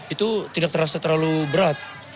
itu tidak terasa terlalu berat